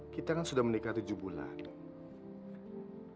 kita kan sudah menikah tujuh bulan